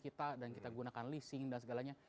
kita dan kita gunakan leasing dan segalanya